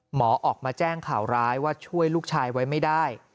หมอออกมาแจ้งข่าวร้ายว่าช่วยลูกชายไว้ไม่ได้